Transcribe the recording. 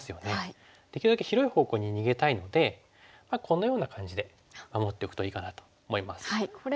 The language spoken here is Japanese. できるだけ広い方向に逃げたいのでこのような感じで守っておくといいかなと思います。